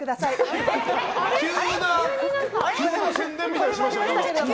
急に宣伝みたいなのしましたが。